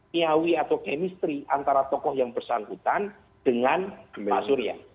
piawi atau chemistry antara tokoh yang bersangkutan dengan pak surya